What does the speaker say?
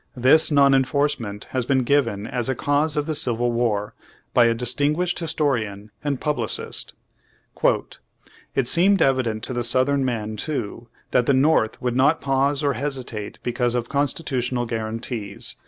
This non enforcement has been given as a cause of the civil war by a distinguished historian and pub licist : "It seemed evident to the southern men, too, that the North would not pause or hesitate because of constitutional guarantees.